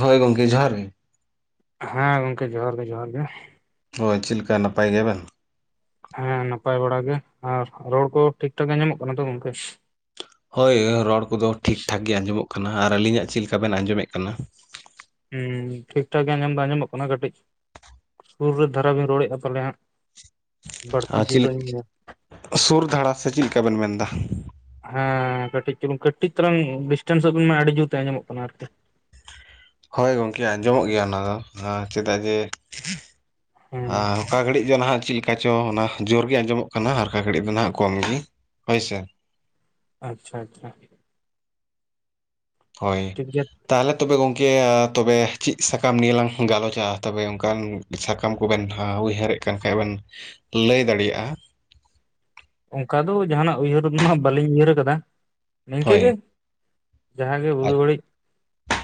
ᱦᱳᱭ ᱜᱚᱢᱠᱮ ᱡᱚᱦᱟᱨ ᱜᱮ, ᱦᱮᱸ ᱜᱚᱝᱠᱮ ᱡᱚᱦᱟᱨ ᱜᱮ ᱡᱚᱦᱟᱨ ᱜᱮ, ᱦᱳᱭ ᱪᱮᱫ ᱞᱮᱠᱟ ᱱᱟᱯᱟᱭ ᱜᱮᱭᱟᱵᱮᱱ? ᱦᱮᱸ ᱱᱟᱯᱟᱭ ᱵᱟᱲᱟ ᱜᱮ᱾ ᱟᱨ ᱨᱚᱲ ᱠᱚ ᱴᱷᱤᱠ ᱴᱷᱟᱠ ᱧᱟᱢᱚᱜ ᱠᱟᱱᱟ ᱛᱚ ᱜᱚᱝᱠᱮ, ᱦᱳᱭ ᱨᱚᱲ ᱠᱚᱫᱚ ᱴᱷᱤᱠ ᱴᱷᱟᱠ ᱜᱮ ᱟᱸᱡᱚᱢᱚᱜ ᱠᱟᱱᱟ᱾ ᱟᱨ ᱟᱹᱞᱤᱧᱟᱜ ᱪᱮᱫᱠᱟ ᱵᱮᱱ ᱟᱸᱡᱚᱢᱮᱫ ᱠᱟᱱᱟ? ᱦᱩᱸ ᱴᱷᱤᱠ ᱴᱷᱟᱠ ᱜᱮ ᱟᱸᱡᱚᱢ ᱫᱚ ᱟᱸᱡᱚᱢᱚᱜ ᱠᱟᱱᱟ ᱠᱟᱹᱴᱤᱡ [inaudible] ᱥᱩᱨ ᱨᱮ ᱫᱷᱟᱨᱟ ᱵᱤᱱ ᱨᱚᱲᱮᱫᱼᱟ ᱯᱟᱞᱮ ᱦᱟᱸᱜ ᱵᱟᱹᱲᱛᱤ ᱟᱨ ᱪᱮᱞᱤᱠ ᱡᱳᱨᱟᱹᱧ ᱥᱩᱨ ᱫᱷᱟᱨᱟ ᱥᱮ ᱪᱮᱫ ᱞᱮᱠᱟ ᱵᱤᱱ ᱢᱮᱱᱫᱟ? ᱦᱮᱸ ᱠᱟᱹᱴᱤᱡ ᱪᱩᱞᱩᱝ ᱠᱟᱹᱴᱤᱡ ᱪᱟᱞᱟᱝ ᱰᱤᱥᱴᱮᱱᱥ ᱚᱜ ᱵᱤᱱ ᱢᱟ ᱟᱹᱰᱤ ᱡᱩᱨ ᱛᱮ ᱟᱸᱡᱚᱢᱚᱜ ᱠᱟᱱᱟ ᱟᱨᱠᱤ, ᱦᱳᱭ ᱜᱚᱢᱠᱮ ᱟᱸᱡᱚᱢᱚᱜ ᱜᱮᱭᱟ ᱚᱱᱟ ᱫᱚ ᱪᱮᱫᱟᱜ ᱡᱮ ᱦᱮᱸ ᱚᱠᱟ ᱜᱷᱟᱹᱲᱤᱡ ᱫᱚ ᱱᱟᱦᱟᱜ ᱪᱮᱫ ᱞᱮᱠᱟ ᱪᱚ ᱚᱱᱟ ᱡᱳᱨ ᱜᱮ ᱟᱸᱡᱚᱢᱚᱜ ᱠᱟᱱᱟ ᱚᱠᱟ ᱜᱷᱟᱹᱲᱤᱡ ᱫᱚ ᱱᱟᱦᱟᱜ ᱠᱚᱢ ᱜᱮ ᱦᱳᱭ ᱥᱮ ᱟᱪᱪᱷᱟ ᱟᱪᱪᱷᱟ, ᱦᱳᱭ, ᱴᱷᱤᱠ ᱜᱮᱭᱟ ᱛᱟᱦᱚᱞᱮ ᱛᱚᱵᱮ ᱜᱚᱝᱠᱮ ᱛᱚᱵᱮ ᱪᱮᱫ ᱥᱟᱠᱟᱢ ᱱᱤᱭᱮ ᱞᱟᱝ ᱜᱟᱞᱚᱪᱟ ᱛᱚᱵᱮ ᱚᱱᱠᱟᱱ ᱥᱟᱠᱟᱢ ᱠᱚᱵᱮᱱ ᱩᱭᱦᱟᱹᱨᱮᱫ ᱠᱟᱱ ᱠᱷᱟᱡ ᱵᱮᱱ ᱞᱟᱹᱭ ᱫᱟᱲᱮᱭᱟᱜᱼᱟ᱾ ᱚᱱᱠᱟ ᱫᱚ ᱡᱟᱦᱟᱱᱟᱜ ᱩᱭᱦᱟᱹᱨ ᱢᱟ ᱵᱟᱹᱞᱤᱧ ᱩᱭᱦᱟᱹᱨ ᱟᱠᱟᱫᱟ ᱱᱤᱝᱠᱟᱹ ᱜᱮ ᱡᱟᱦᱟᱸ ᱜᱮ ᱵᱩᱜᱤ ᱟᱪ ᱵᱟᱹᱲᱤᱡ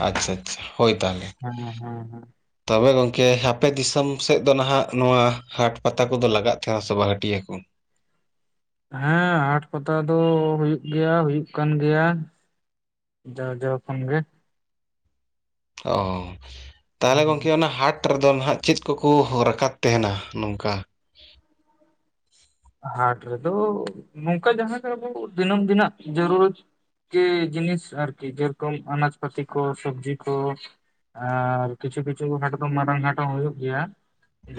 ᱟᱪᱪᱷᱟ ᱟᱪᱪᱷᱟ ᱦᱳᱭ ᱛᱟᱦᱞᱮ ᱦᱮᱸ ᱦᱮᱸ ᱦᱮᱸ ᱛᱚᱵᱮ ᱜᱚᱝᱠᱮ ᱟᱯᱮ ᱫᱤᱥᱚᱢ ᱥᱮᱫ ᱫᱚ ᱱᱟᱦᱟᱜ ᱱᱚᱣᱟ ᱦᱟᱴ ᱯᱟᱛᱟ ᱠᱚᱫᱚ ᱞᱟᱜᱟᱜ ᱛᱟᱦᱮᱸᱱᱟ ᱥᱮ ᱵᱟᱝ-ᱟ ᱦᱟᱹᱴᱤᱭᱟᱹ ᱠᱚ, ᱦᱮᱸ ᱦᱟᱴ ᱯᱟᱛᱟ ᱫᱚ ᱦᱩᱭᱩᱜ ᱜᱮᱭᱟ ᱦᱩᱭᱩᱜ ᱠᱟᱱ ᱜᱮᱭᱟ᱾ ᱡᱟᱣ ᱡᱟᱣ ᱠᱷᱚᱱ ᱜᱮ, ᱚᱻ ᱛᱟᱦᱚᱞᱮ ᱦᱩᱸ ᱜᱚᱢᱠᱮ ᱚᱱᱟ ᱦᱟᱴ [unintelligible] ᱨᱮᱫᱚ ᱱᱟᱦᱟᱜ ᱪᱮᱫ ᱠᱚᱠᱚ ᱨᱟᱠᱟᱵ ᱛᱟᱦᱮᱱᱟ ᱱᱚᱝᱠᱟ? ᱦᱟᱴ ᱨᱮᱫᱚ ᱱᱚᱝᱠᱟ ᱡᱟᱦᱟᱸ ᱜᱮ ᱟᱵᱚ ᱫᱤᱱᱟᱹᱢ-ᱫᱤᱱᱟᱜ ᱡᱟᱹᱨᱩᱨᱤ ᱡᱮ ᱡᱤᱱᱤᱥ ᱟᱨᱠᱤ ᱡᱮᱨᱚᱠᱚᱢ ᱟᱱᱟᱡ- ᱯᱟᱛᱤ ᱠᱚ ᱥᱚᱵᱡᱤ ᱠᱚ ᱟᱨ ᱠᱤᱪᱷᱩ-ᱠᱤᱪᱷᱩ ᱦᱟᱴ ᱫᱚ ᱢᱟᱨᱟᱝ ᱦᱟᱴ ᱦᱚᱸ ᱦᱩᱭᱩᱜ ᱜᱮᱭᱟ᱾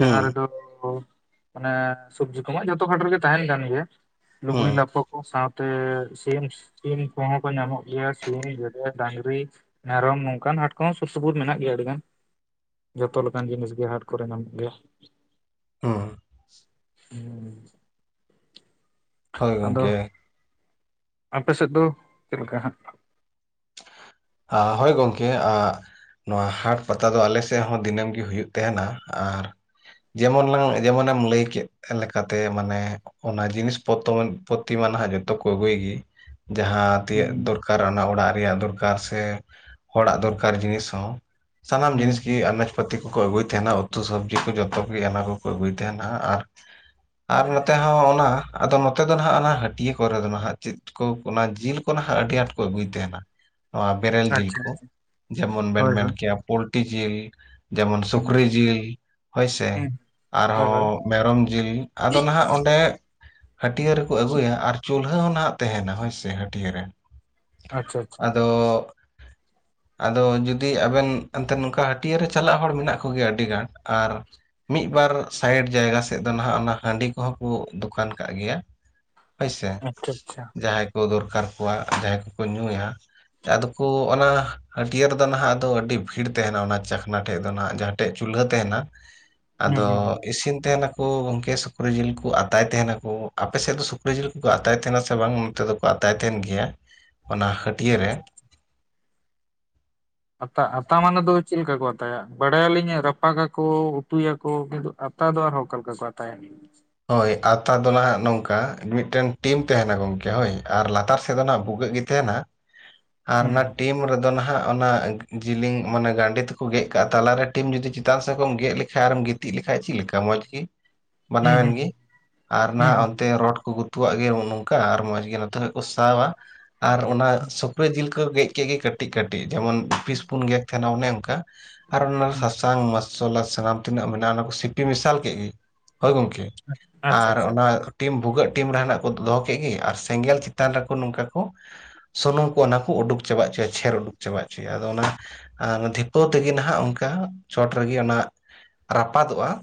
ᱡᱟᱦᱟᱸ ᱨᱮᱫᱚ ᱢᱟᱱᱮ ᱥᱚᱵᱡᱤ ᱠᱚᱢᱟ ᱡᱚᱛᱚ ᱦᱟᱴ ᱨᱮᱜᱮ ᱛᱟᱦᱮᱱ ᱠᱟᱱ ᱜᱮᱭᱟ᱾ ᱞᱩᱜᱽᱲᱤ ᱦᱩᱸ ᱞᱟᱯᱳ ᱥᱟᱶᱛᱮ ᱥᱤᱢ-ᱥᱤᱢ ᱠᱚᱦᱚᱸ ᱠᱚ ᱧᱟᱢᱚᱜ ᱜᱮᱭᱟ ᱥᱤᱢ, ᱜᱮᱰᱮ, ᱰᱟ. ᱝᱨᱤ ᱢᱮᱨᱚᱢ ᱱᱚᱝᱠᱟᱱ ᱦᱟᱴ ᱠᱚᱦᱚᱸ ᱥᱩᱨ- ᱥᱩᱯᱩᱨ ᱢᱮᱱᱟᱜ ᱜᱮᱭᱟ ᱟᱰᱤ ᱜᱟᱱ ᱡᱚᱛᱚ ᱞᱮᱠᱟᱱ ᱡᱤᱱᱤᱥ ᱜᱮ ᱦᱟᱴ ᱠᱚᱨᱮ ᱧᱟᱢᱚᱜ ᱜᱮᱭᱟ ᱦᱩᱸ ᱦᱩᱸ ᱦᱳᱭ ᱟᱫᱚ ᱜᱚᱝᱠᱮ ᱟᱯᱮ ᱥᱮᱫ ᱫᱚ ᱪᱮᱫᱞᱮᱠᱟ ᱦᱟᱸᱜ? ᱟ. ᱜ ᱦᱳᱭ ᱜᱚᱢᱠᱮ ᱟᱜ ᱱᱚᱣᱟ ᱦᱟᱴ ᱯᱟᱛᱟ ᱫᱚ ᱟᱞᱮ ᱥᱮᱜ ᱦᱚᱸ ᱫᱤᱱᱟᱹᱢ ᱜᱮ ᱦᱩᱭᱩᱜ ᱛᱟᱦᱮᱱᱟ ᱟᱨ ᱡᱮᱢᱚᱱ ᱞᱟᱝ ᱡᱮᱢᱚᱱᱮᱢ ᱞᱟᱹᱭ ᱠᱮᱫ ᱞᱮᱠᱟᱛᱮ ᱢᱟᱱᱮ ᱚᱱᱟ ᱡᱤᱱᱤᱥ ᱯᱚᱛᱚ-ᱯᱚᱛᱤ ᱢᱟ ᱱᱟᱦᱟᱜ ᱡᱚᱛᱚ ᱠᱚ ᱟᱜᱩᱭ ᱜᱮ ᱡᱟᱦᱟᱸ ᱛᱤᱭᱟᱹᱜ ᱦᱩᱸ ᱫᱚᱨᱠᱟᱨ ᱚᱱᱟ ᱚᱲᱟᱜ ᱨᱮᱭᱟᱜ ᱫᱚᱨᱠᱟᱨ ᱥᱮ ᱦᱚᱲᱟᱜ ᱫᱚᱨᱠᱟᱨ ᱡᱤᱱᱤᱥ ᱦᱚᱸ ᱥᱟᱱᱟᱢ ᱡᱤᱱᱤᱥ ᱜᱮ ᱦᱩᱸ ᱟᱱᱟᱪ ᱯᱟᱹᱛᱤ ᱠᱚᱠᱚ ᱟ. ᱜᱩᱭ ᱛᱟᱦᱮᱱᱟ ᱩᱛᱩ ᱥᱚᱵᱡᱤ ᱠᱚ ᱡᱚᱛᱚ ᱜᱮ ᱚᱱᱟ ᱠᱚᱠᱚ ᱟᱜᱩᱭ ᱛᱟᱦᱮᱱᱟ ᱟᱨ ᱟᱨ ᱱᱚᱛᱮ ᱦᱚᱸ ᱚᱱᱟ ᱟᱫᱚ ᱱᱚᱛᱮ ᱫᱚ ᱱᱟᱦᱟᱜ ᱚᱱᱟ ᱦᱟᱹᱴᱤᱭᱟᱹ ᱠᱚᱨᱮ ᱫᱚ ᱱᱟᱜ ᱪᱮᱫ ᱠᱚ ᱚᱱᱟ ᱡᱤᱞ ᱠᱚ ᱱᱟᱦᱟᱜ ᱟᱰᱤ ᱟᱸᱴ ᱠᱚ ᱟᱜᱩᱭ ᱛᱟᱦᱮᱱᱟ ᱱᱚᱣᱟ ᱵᱮᱨᱮᱞ ᱡᱤᱞ ᱟᱪᱪᱷᱟ ᱠᱚ ᱡᱮᱢᱚᱱ ᱵᱮᱱ ᱦᱳᱭ ᱦᱳᱭ ᱢᱮᱱ ᱠᱮᱭᱟ ᱯᱳᱞᱴᱤ ᱡᱤᱞ ᱡᱮᱢᱚᱱ ᱦᱩᱸ ᱥᱩᱠᱨᱤ ᱡᱤᱞ ᱦᱳᱭᱥᱮ ᱦᱩᱸ ᱦᱳᱭ ᱦᱳᱭ ᱟᱨᱦᱚᱸ ᱢᱮᱨᱚᱢ ᱡᱤᱞ ᱟᱫᱚ ᱱᱟᱦᱟᱜ ᱚᱸᱰᱮ ᱦᱟᱹᱴᱤᱭᱟᱹ ᱨᱮᱠᱚ ᱟᱹᱜᱩᱭᱟ ᱟᱨ ᱪᱩᱞᱦᱟᱹ ᱦᱚᱸ ᱱᱟᱦᱟᱜ ᱛᱟᱦᱮᱱᱟ ᱦᱳᱭᱥᱮ ᱦᱟᱹᱴᱤᱭᱟᱹ ᱨᱮ ᱟᱪᱷᱟ-ᱟᱪᱷᱟ ᱟᱫᱚ ᱟᱫᱚ ᱡᱩᱫᱤ ᱟᱵᱮᱱ ᱮᱱᱛᱮ ᱱᱚᱝᱠᱟ ᱦᱟᱹᱴᱤᱭᱟᱹ ᱨᱮ ᱪᱟᱞᱟᱜ ᱦᱚᱲ ᱢᱮᱱᱟᱜ ᱠᱚᱜᱮᱭᱟ ᱟᱰᱤ ᱜᱟᱱ ᱟᱨ ᱢᱤᱫ ᱵᱟᱨ ᱥᱟᱭᱤᱰ ᱡᱟᱭᱜᱟ ᱥᱮᱫ ᱫᱚ ᱱᱟᱦᱟᱜ ᱚᱱᱟ ᱦᱟᱺᱰᱤ ᱠᱚᱦᱚᱸ ᱠᱚ ᱫᱚᱠᱟᱱ ᱠᱟᱜ ᱜᱮᱭᱟ᱾ ᱦᱳᱭᱥᱮ ᱟᱪᱷᱟ-ᱟᱪᱷᱟ ᱡᱟᱦᱟᱸᱭ ᱠᱚ ᱫᱚᱨᱠᱟᱨ ᱠᱚᱣᱟ ᱡᱟᱦᱟᱸᱭ ᱠᱚ-ᱠᱚ ᱧᱩᱭᱟ ᱟᱫᱚ ᱠᱚ ᱚᱱᱟ ᱦᱟᱹᱴᱭᱟᱹ ᱨᱮᱫᱚ ᱱᱟᱦᱟᱜ ᱫᱚ ᱟᱹᱰᱤ ᱵᱷᱤᱲ ᱛᱟᱦᱮᱱᱟ ᱚᱱᱟ ᱪᱟᱠᱷᱱᱟ ᱴᱷᱮᱡ ᱫᱚ ᱱᱟᱦᱟᱜ ᱡᱟᱦᱟᱸ ᱴᱮᱡ ᱪᱩᱞᱦᱟᱹ ᱛᱟᱦᱮᱱᱟ ᱟᱫᱚ ᱦᱩᱸ ᱦᱩᱸ ᱤᱥᱤᱱ ᱛᱟᱦᱮᱱᱟ ᱜᱚᱝᱠᱮ ᱥᱩᱠᱨᱤ ᱡᱤᱞ ᱠᱚ ᱟᱛᱟᱭ ᱛᱟᱦᱮᱱᱟᱠᱚ ᱟᱯᱮᱥᱮᱫ ᱫᱚ ᱥᱩᱠᱨᱤ ᱡᱤᱞ ᱠᱚᱠᱚ ᱟᱛᱟᱭ ᱛᱟᱦᱮᱱᱟ ᱥᱮ ᱵᱟᱝ ᱱᱚᱛᱮ ᱫᱚ? ᱠᱚ ᱟᱛᱟᱭ ᱛᱟᱦᱮᱱ ᱜᱮᱭᱟ ᱚᱱᱟ ᱦᱟᱹᱴᱭᱟᱹ ᱨᱮ ᱟᱪᱪᱷᱟ ᱟᱛᱟ-ᱟᱛᱟ ᱢᱟᱱᱮ ᱫᱚ ᱪᱤᱞᱠᱟ ᱠᱚ ᱛᱟᱭᱟ ᱵᱟᱲᱟᱭᱟᱞᱤᱧᱟ ᱨᱟᱯᱟᱜᱟᱠᱚ ᱩᱛᱩᱭᱟᱠᱚ ᱠᱤᱱᱛᱩ ᱟᱛᱟ ᱫᱚ ᱟᱨᱦᱚᱸ ᱚᱠᱟᱞᱮᱠᱟ ᱠᱚ ᱟᱛᱟᱭᱟ? ᱦᱳᱭ ᱟᱛᱟ ᱫᱚ ᱱᱟᱦᱟᱜ ᱱᱚᱝᱠᱟ ᱢᱤᱫᱴᱮᱱ ᱴᱤᱱ ᱛᱟᱦᱮᱱᱟ ᱜᱚᱢᱠᱮ ᱦᱳᱭ ᱟᱨ ᱞᱟᱛᱟᱨ ᱥᱮᱫ ᱫᱚ ᱱᱟᱦ ᱵᱷᱩᱜᱟᱹᱜ ᱜᱮ ᱛᱟᱦᱮᱱᱟ ᱟᱨ ᱦᱩᱸ ᱚᱱᱟ ᱴᱤᱢ ᱨᱮᱫᱚ ᱱᱟᱦᱟᱜ ᱚᱱᱟ ᱡᱮᱞᱤᱝ ᱢᱟᱱᱮ ᱜᱟᱸᱰᱮ ᱛᱮᱠᱚ ᱜᱮᱫ ᱠᱟᱜᱼᱟ ᱛᱟᱞᱟᱨᱮ ᱴᱤᱱ ᱡᱩᱫᱤ ᱪᱮᱛᱟᱱ ᱥᱮᱜ ᱠᱚᱢ ᱜᱮᱫ ᱞᱮᱠᱷᱟᱡ ᱟᱨᱮᱢ ᱜᱤᱛ ᱛᱤᱡ ᱞᱮᱠᱷᱟᱡ ᱪᱮᱫ ᱞᱮᱠᱟ ᱢᱚᱸᱡᱽ ᱜᱮ ᱦᱩᱸ ᱵᱟᱱᱟᱣᱮᱱ ᱦᱩᱸ ᱦᱩᱸ ᱜᱮ ᱟᱨ ᱦᱩᱸ ᱱᱟᱦᱟᱜ ᱚᱱᱛᱮ ᱨᱚᱰ ᱠᱚ ᱜᱩᱛᱩᱣᱟᱜ ᱜᱮ ᱱᱚᱝᱠᱟ ᱟᱨ ᱢᱚᱡᱽ ᱜᱮ ᱱᱚᱛᱮ ᱠᱷᱚᱡ ᱠᱚ ᱥᱟᱣᱟ ᱟᱨ ᱚᱱᱟ ᱥᱩᱠᱨᱤ ᱡᱤᱞ ᱠᱚ ᱜᱮᱫ ᱠᱮᱫ ᱜᱮ ᱠᱟᱹᱴᱤᱡ-ᱠᱟᱹᱴᱤᱡ ᱡᱮᱢᱚᱱ ᱯᱤᱥ ᱵᱩᱱ ᱜᱮᱫ ᱚᱱᱮ ᱚᱱᱠᱟ ᱟᱨ ᱚᱱᱟ ᱦᱩᱸ. ᱥᱟᱥᱟ ᱥᱟᱥᱟᱝ, ᱢᱚᱥᱚᱞᱟ, ᱥᱟᱱᱟᱢ ᱛᱤᱱᱟᱹᱜ ᱢᱮᱱᱟᱜᱼᱟ ᱚᱱᱟ ᱠᱚ ᱥᱤᱯᱤ ᱢᱮᱥᱟᱞ ᱠᱮᱫ ᱜᱮ ᱦᱚᱳᱭ ᱜᱚᱝᱠᱮ ᱟᱪᱪᱷᱟ ᱟᱨ ᱟᱪᱪᱷᱟ ᱚᱱᱟ ᱴᱤᱱ ᱵᱷᱩᱜᱟᱹᱜ ᱴᱤᱱ ᱨᱮᱱᱟᱜ ᱠᱚ ᱫᱚᱦᱚ ᱠᱮᱫ ᱜᱮ ᱟᱨ ᱥᱮᱸᱜᱮᱞ ᱪᱮᱛᱟᱱ ᱨᱮᱠᱚ ᱱᱚᱝᱠᱟ ᱠᱚ ᱥᱩᱱᱩᱢ ᱠᱚ ᱚᱱᱟ ᱠᱚ ᱩᱰᱩᱠ ᱪᱟᱵᱟ ᱚᱪᱚᱭᱟ ᱪᱷᱮᱨ ᱩᱰᱩᱠ ᱪᱟᱵᱟ ᱚᱪᱚᱭᱟ ᱟᱫᱚ ᱚᱱᱟ ᱟᱨ ᱫᱷᱤᱯᱟᱹᱣ ᱛᱮᱜᱮ ᱱᱟᱦᱟᱸᱜ ᱚᱱᱠᱟ ᱪᱚᱴ ᱨᱮᱜᱮ ᱚᱱᱟ ᱨᱟᱯᱟᱫᱚᱜ-ᱟ᱾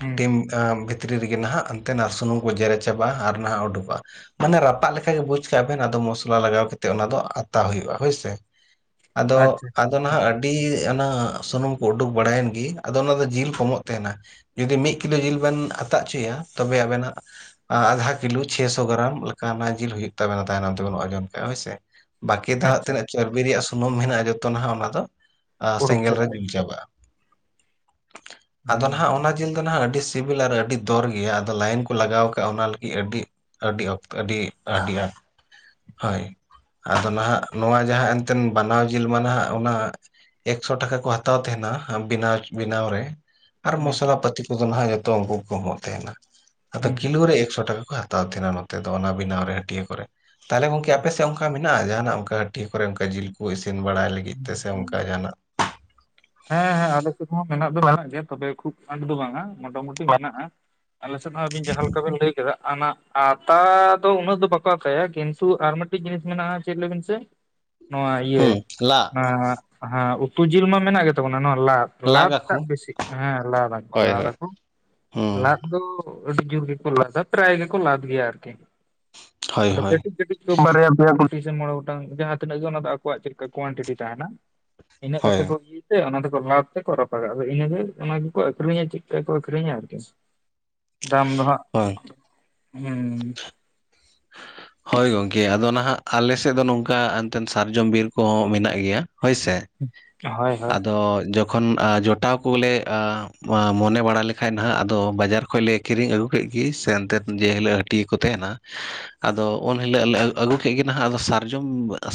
ᱦᱩᱸ ᱦᱩᱸ. ᱴᱤᱢ ᱵᱷᱤᱛᱨᱤ ᱨᱮᱜᱮ ᱱᱟᱦᱟᱜ ᱚᱱᱛᱮ ᱱᱟ ᱥᱩᱱᱩᱢ ᱠᱚ ᱡᱮᱨᱮᱫ ᱪᱟᱵᱟᱜ-ᱟ ᱟᱨ ᱱᱟᱦᱟᱜ ᱚᱰᱚᱠᱚᱜ-ᱟ ᱾ ᱢᱟᱱᱮ ᱨᱟᱯᱟᱜ ᱞᱮᱠᱷᱟᱡ ᱜᱮ ᱵᱩᱡᱽ ᱠᱟᱜ ᱵᱮᱱ ᱟᱫᱚ ᱢᱚᱥᱞᱟ ᱞᱟᱜᱟᱣ ᱠᱟᱛᱮᱫ ᱚᱱᱟ ᱫᱚ ᱟᱛᱟ ᱦᱩᱭᱩᱜ-ᱟ ᱦᱚᱭ ᱥᱮ᱾ ᱟᱫᱚ ᱟᱪᱪᱷᱟ ᱟᱪᱪᱷᱟ ᱟᱫᱚ ᱟᱪᱪᱷᱟ ᱱᱟᱦᱟᱜ ᱟᱹᱰᱤ ᱟᱹᱰᱤ ᱚᱱᱟ ᱥᱩᱱᱩᱢ ᱠᱚ ᱚᱰᱚᱠ ᱵᱟᱲᱟᱭᱮᱱ ᱜᱮ ᱟᱫᱚ ᱚᱱᱟ ᱫᱚ ᱡᱤᱞ ᱠᱚᱢᱚᱜ ᱛᱟᱦᱮᱱᱟ᱾ ᱡᱩᱫᱤ ᱢᱤᱫ ᱠᱤᱞᱳ ᱡᱤᱞ ᱵᱤᱱ ᱟᱛᱟ ᱚᱪᱚᱭᱟ ᱛᱚᱵᱮ ᱟᱹᱵᱤᱱᱟᱜ ᱟᱫᱷᱟ ᱠᱤᱞᱳ ᱪᱷᱭ ᱥᱚ ᱜᱨᱟᱢ ᱞᱮᱠᱟ ᱡᱤᱞ ᱦᱩᱭᱩᱜ ᱛᱟᱵᱤᱱᱟ ᱛᱟᱭᱱᱚᱢ ᱛᱤᱵᱤᱱ ᱚᱡᱚᱱ ᱠᱷᱟᱱ ᱦᱚᱭ ᱥᱮ᱾ ᱵᱟᱹᱠᱤ ᱫᱚ ᱦᱟᱸᱜ ᱟᱪᱪᱷᱟ ᱛᱤᱱᱟᱹᱜ ᱪᱚᱨᱵᱤ ᱨᱮᱭᱟᱜ ᱥᱩᱱᱩᱢ ᱢᱮᱱᱟᱜ-ᱟ ᱡᱚᱛᱚ ᱱᱟᱦᱜ ᱚᱱᱟ ᱫᱚ ᱟ ᱩᱰᱩᱠ ᱥᱮᱸᱜᱮᱞ ᱨᱮ ᱪᱟᱵᱟᱜᱼᱟ ᱡᱩᱞ ᱪᱟᱵᱟᱜ-ᱟ᱾ ᱟᱫᱚ ᱦᱩᱸ ᱱᱟᱦᱟᱜ ᱚᱱᱟ ᱡᱤᱞ ᱫᱚ ᱱᱟᱦᱟᱜ ᱟᱹᱰᱤ ᱥᱤᱵᱤᱞ ᱟᱨ ᱟᱹᱰᱤ ᱫᱚᱨ ᱜᱮᱭᱟ ᱟᱫᱚ ᱞᱟᱭᱤᱱ ᱠᱚ ᱞᱟᱜᱟᱣ ᱟᱠᱟᱜ-ᱟ ᱚᱱᱟ ᱞᱟᱹᱜᱤᱫ ᱟᱹᱰᱤ ᱟᱹᱰᱤ ᱚᱠᱛᱚ ᱟᱹᱰᱤ ᱟᱹᱰᱤ ᱟᱸᱴ, ᱦᱚᱭ ᱟᱫᱚ ᱱᱟᱦᱟᱜ ᱱᱚᱣᱟ ᱡᱟᱦᱟᱸ ᱮᱱᱛᱮᱫ ᱵᱟᱱᱟᱣ ᱡᱤᱞ ᱢᱟ ᱱᱟᱦᱟᱜ ᱚᱱᱟ ᱮᱠᱥᱚ ᱴᱟᱠᱟ ᱠᱚ ᱦᱟᱛᱟᱣ ᱛᱟᱦᱮᱱᱟ ᱵᱮᱱᱟᱣ ᱵᱮᱱᱟᱣ ᱨᱮ, ᱟᱨ ᱦᱩᱸ ᱢᱚᱥᱞᱟ ᱯᱟᱹᱛᱤ ᱠᱚᱫᱚ ᱱᱟᱦᱟᱜ ᱡᱚᱛᱚ ᱩᱱᱠᱩ ᱜᱮᱠᱚ ᱮᱢᱚᱜ ᱛᱟᱦᱮᱸᱱᱟ ᱟᱫᱚ ᱦᱩᱸ ᱠᱤᱞᱚ ᱨᱮ ᱮᱠᱥᱚ ᱴᱟᱠᱟ ᱠᱚ ᱦᱟᱛᱟᱣᱟ᱾ ᱦᱟᱛᱟᱣ ᱛᱟᱦᱮᱱᱟ ᱱᱚᱛᱮ ᱫᱚ ᱚᱱᱟ ᱵᱮᱱᱟᱣ ᱨᱮ ᱦᱟᱹᱴᱭ ᱠᱚᱨᱮ, ᱛᱟᱦᱚᱞᱮ ᱜᱚᱝᱠᱮ ᱟᱯᱮ ᱥᱮᱫ ᱚᱱᱠᱟ ᱡᱟᱦᱟᱱᱟᱜ ᱚᱱᱠᱟ ᱦᱟᱹᱴᱭᱟᱹ ᱠᱚᱨᱮ ᱚᱱᱠᱟ ᱡᱤᱞ ᱠᱚ ᱤᱥᱤᱱ ᱵᱟᱲᱟᱭ ᱞᱟᱹᱜᱤᱫ ᱛᱮᱥᱮ ᱦᱩᱸ. ᱚᱱᱠᱟ ᱡᱟᱦᱱᱟᱜ? ᱦᱮᱸ ᱦᱮᱸ ᱟᱞᱮ ᱥᱮᱫ ᱦᱚᱸ ᱢᱮᱱᱟᱜ ᱫᱚ ᱢᱮᱱᱟᱜ ᱜᱮᱭᱟ ᱛᱚᱵᱮ ᱠᱷᱩᱵ ᱟᱸᱴ ᱫᱚ ᱵᱟᱝ ᱟ ᱢᱚᱴᱟ ᱢᱩᱴᱤ ᱢᱮᱱᱟᱜ-ᱟ᱾ ᱟᱞᱮ ᱥᱮᱫ ᱦᱚᱸ ᱵᱤᱱ ᱡᱟᱦ ᱞᱮᱠᱟ ᱠᱟᱵᱤᱱ ᱞᱟᱹᱭ ᱠᱮᱫᱟ ᱚᱱᱟ ᱟᱛᱟ ᱫᱚ ᱩᱱᱟᱹᱜ ᱫᱚ ᱵᱟᱠᱚ ᱟᱛᱟᱭᱟ ᱠᱤᱱᱛᱩ ᱟᱨ ᱢᱤᱫᱴᱤᱡ ᱡᱤᱱᱤᱥ ᱢᱮᱱᱟᱜ-ᱟ ᱪᱮᱫ ᱞᱟᱹᱭ ᱵᱤᱱ ᱥᱮ [unintelligible] ᱱᱚᱣᱟ ᱤᱭᱟᱹ ᱦᱩᱸ ᱞᱟᱜ ᱚᱱᱟ ᱩᱛᱩ ᱡᱤᱞ ᱢᱟ ᱢᱮᱱᱟᱜ ᱜᱮ ᱛᱟᱵᱚᱱᱟ ᱱᱚᱣᱟ ᱞᱟᱫ, ᱞᱟᱫ ᱞᱟᱜᱟᱠᱚ ᱴᱟᱜ ᱵᱮᱥᱤ ᱦᱮᱸ ᱞᱟᱫᱟᱠᱚ ᱦᱳᱭ ᱦᱳᱭ ᱞᱟᱫᱟᱠᱚ ᱦᱩᱸ ᱞᱟᱫ ᱫᱚ ᱟᱹᱰᱤ ᱡᱳᱨ ᱜᱮᱠᱚ ᱞᱟᱫᱟ ᱯᱨᱟᱭ ᱜᱮᱠᱚ ᱞᱟᱫ ᱜᱮᱭᱟ ᱟᱨᱠᱤ ᱦᱳᱭ ᱟᱫᱚ ᱦᱳᱭ ᱠᱟᱹᱴᱤᱡ ᱵᱟᱨᱭᱟ ᱯᱮᱭᱟ ᱥᱮ ᱢᱚᱬᱮ ᱜᱚᱴᱟᱝ ᱡᱟᱦᱟᱸ ᱛᱤᱱᱟᱹᱜ ᱜᱮ ᱚᱱᱟ ᱫᱚ ᱟᱠᱚᱣᱟᱜ ᱪᱮᱫ ᱞᱮᱠᱟ ᱠᱚᱣᱮᱱᱴᱤᱴᱤ ᱛᱟᱦᱮᱱᱟ ᱾ ᱤᱱᱟ ᱦᱳᱭ ᱠᱟᱛᱮ ᱠᱚ ᱪᱮ ᱚᱱᱟ ᱫᱚᱠᱚ ᱞᱟᱫ ᱛᱮᱠᱚ ᱨᱟᱯᱟᱜᱟ ᱤᱱᱟᱹᱜᱮ ᱚᱱᱟᱠᱟ ᱜᱮᱠᱚ ᱟᱹᱷᱨᱤᱧᱟ ᱪᱮᱫ ᱠᱟ ᱠᱚ ᱟᱹᱷᱨᱤᱧᱟ ᱟᱨᱠᱤ᱾ [unintelligible] ᱫᱟᱢ ᱫᱚ ᱦᱟᱸᱜ ᱦᱳᱭ ᱦᱩᱸ, [unintelligible] ᱦᱚᱭ ᱜᱚᱢᱠᱮ ᱟᱫᱚ ᱱᱟᱦᱟᱜ ᱟᱞᱮ ᱥᱮᱫ ᱫᱚ ᱱᱚᱝᱠᱟ ᱮᱱᱛᱮ ᱥᱟᱨᱡᱚᱢ ᱵᱤᱨ ᱠᱚᱦᱚᱸ ᱢᱮᱱᱟᱜ ᱜᱮᱭᱟ ᱦᱚᱭ ᱥᱮ᱾ ᱦᱳᱭ ᱦᱳᱭ ᱟᱫᱚ ᱡᱚ ᱠᱷᱚᱱ ᱡᱚᱴᱟᱣ ᱠᱚᱞᱮ ᱢᱚᱱᱮ ᱵᱟᱲᱟ ᱞᱮᱠᱷᱟᱱ ᱱᱟᱦᱟᱜ ᱟᱫᱚ ᱵᱟᱡᱟᱨ ᱠᱷᱚᱡ ᱞᱮ ᱠᱤᱨᱤᱧ ᱟᱹᱜᱩ ᱠᱮᱫ ᱜᱮ ᱥᱮ ᱮᱱᱛᱮᱫ ᱡᱮ ᱦᱤᱞᱚᱜ ᱦᱟᱹᱴᱤᱭᱟᱹᱟᱹ ᱠᱚ ᱛᱟᱦᱮᱱᱟ᱾ ᱟᱫᱚ ᱩᱱ ᱦᱤᱞᱚᱜ ᱞᱮ ᱟᱹᱜᱩ ᱠᱮᱫ ᱜᱮ ᱱᱟᱦᱟᱜ ᱟᱫᱚ ᱥᱟᱨᱡᱚᱢ